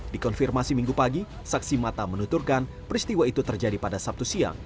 dikonfirmasi minggu pagi saksi mata menuturkan peristiwa itu terjadi pada sabtu siang